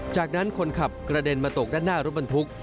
จากนั้นคนขับกระเด็นมาตกด้านหน้ารถบรรทุก